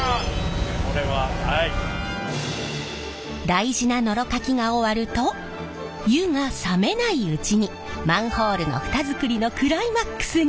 大事なノロかきが終わると「湯」が冷めないうちにマンホールの蓋作りのクライマックスに！